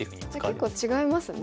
じゃあ結構違いますね。